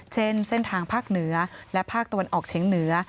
เช่นเส้นทางภาคเหนือและภาคตะวันออกเฉียงเหนือ